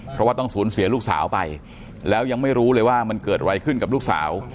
เพราะว่าต้องสูญเสียลูกสาวไปแล้วยังไม่รู้เลยว่ามันเกิดอะไรขึ้นกับลูกสาว